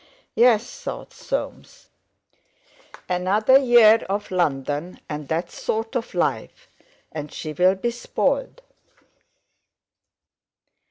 "Yes," thought Soames, "another year of London and that sort of life, and she'll be spoiled."